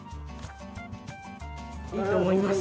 いいと思います。